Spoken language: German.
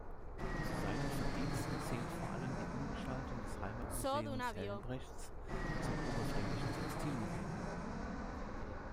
Zu seinen Verdiensten zählt vor allem die Umgestaltung des Heimatmuseums Helmbrechts zum Oberfränkischen Textilmuseum.